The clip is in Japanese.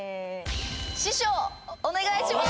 師匠お願いします！